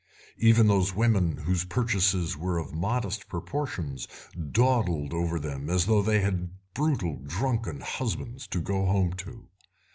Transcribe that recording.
Even those women whose purchases were of modest proportions dawdled over them as though they had brutal, drunken husbands to go home to.